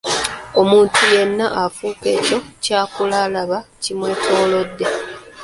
Omuntu yenna afuuka ekyo ky'akula alaba kimwetoolodde.